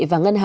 và kẻ hạ